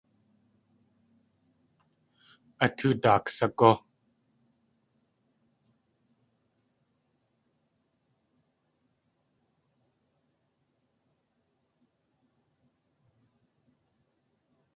A tóo daak sagú!